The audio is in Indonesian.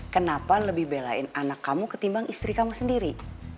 kenapa lebih belain anak kamu ketimbang istri kamu sendiri